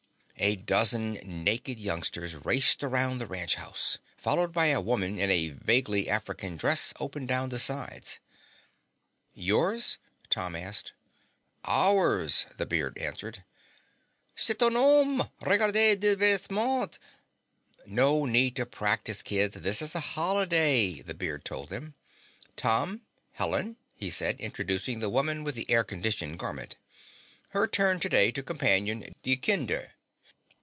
A dozen naked youngsters raced around the ranch house, followed by a woman in a vaguely African dress open down the sides. "Yours?" Tom asked. "Ours," the beard answered. "C'est un homme!" "Regardez des vêtements!" "No need to practice, kids; this is a holiday," the beard told them. "Tom, Helen," he said, introducing the woman with the air conditioned garment. "Her turn today to companion die Kinder."